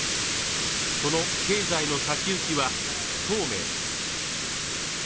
その経済の先行きは不透明です。